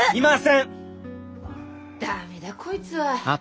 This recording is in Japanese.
駄目だこいつは。